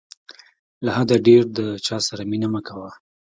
له حده ډېر د چاسره مینه مه کوه.